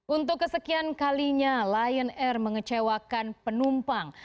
untuk kesekian kalinya lion air mengecewakan penumpang